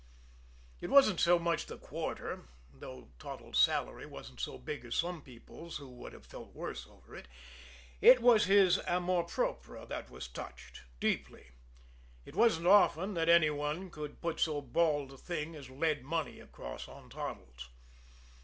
It wasn't so much the quarter, though Toddles' salary wasn't so big as some people's who would have felt worse over it, it was his amour propre that was touched deeply. It wasn't often that any one could put so bald a thing as lead money across on Toddles.